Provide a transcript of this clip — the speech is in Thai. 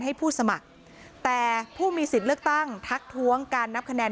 ให้ผู้สมัครแต่ผู้มีสิทธิ์เลือกตั้งทักท้วงการนับคะแนน